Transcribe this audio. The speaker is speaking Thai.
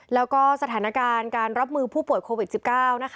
แล้วก็สถานการณ์การรับมือผู้ป่วยโควิด๑๙นะคะ